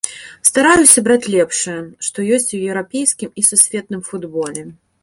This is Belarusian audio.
Стараюся браць лепшае, што ёсць у еўрапейскім і сусветным футболе.